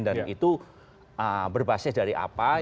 dan itu berbasis dari apa